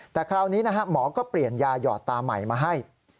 แต่คราวนี้นะฮะหมอก็เปลี่ยนยาหยอดตาใหม่มาให้